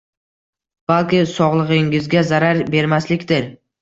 Balki sogʻligʻingizga zarar bermaslikdir